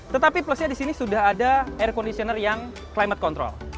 tetapi plusnya di sini sudah ada air conditioner yang climate control